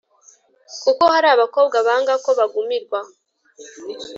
kuba hari abakobwa banga ko bagumirwa